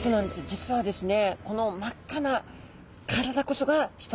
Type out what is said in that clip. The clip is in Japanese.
実はですね